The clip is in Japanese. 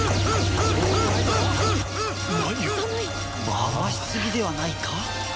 回しすぎではないか？